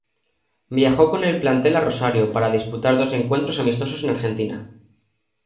Viajó con el plantel a Rosario, para disputar dos encuentros amistoso en Argentina.